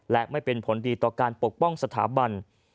และไม่เป็นผลดีต่อการปกป้องสถาบัน